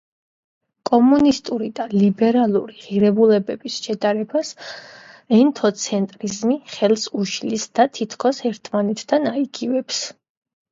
კომუნისტური და ლიბერალური ღირებულებების შედარებას ეთნოცენტრიზმი ხელს უშლის და თითქოს ერთმანეთთან აიგივებს.